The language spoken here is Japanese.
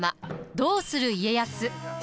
「どうする家康」。